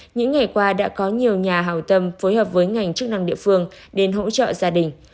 những ngày qua đã có nhiều nhà hào tâm phối hợp với ngành chức năng địa phương đến hỗ trợ gia đình